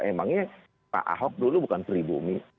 emangnya pak ahok dulu bukan pribumi